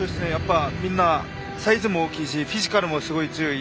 みんなサイズも大きいしフィジカルも強い。